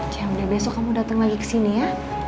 jangan biar besok kamu datang lagi kesini ya